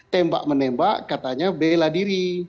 tembak menembak katanya bela diri